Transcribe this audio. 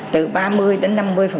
từ ba mươi đến năm mươi